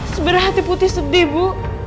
seberat hati putri sedih ibu